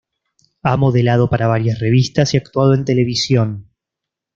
Ha modelado para varias revistas y actuado en televisión.